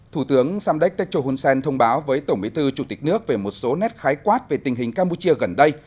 thủ tướng samdech techo hun sen thông báo với tổng bí thư chủ tịch nước về một số nét khái quát về tình hình campuchia gần đây